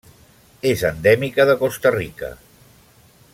És endèmica de Costa Rica.